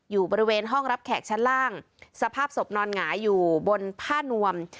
อยู่บริเวณห้องรับแขกชั้นล่างสภาพศพนอนหงายอยู่บนผ้านวม